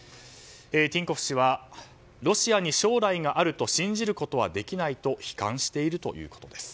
ティンコフ氏はロシアに将来があると信じることはできないと悲観しているということです。